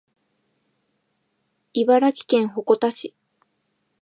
茨城県鉾田市